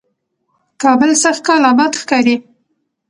کابل سږکال آباد ښکاري،